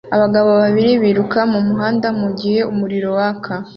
Abagabo babiri biruka mumuhanda mugihe umuriro waka